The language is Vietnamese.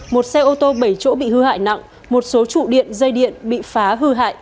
một xe ô tô bảy chỗ bị hư hại nặng một số trụ điện dây điện bị phá hư hại